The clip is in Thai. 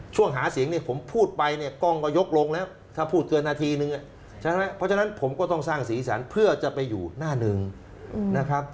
หาเสียงเนี่ยผมพูดไปเนี่ยกล้องก็ยกลงแล้วถ้าพูดเกินนาทีนึงใช่ไหมเพราะฉะนั้นผมก็ต้องสร้างสีสันเพื่อจะไปอยู่หน้าหนึ่งนะครับ